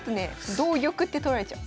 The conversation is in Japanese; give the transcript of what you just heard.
同玉って取られちゃう。